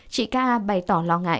chị k a bày tỏ lo ngại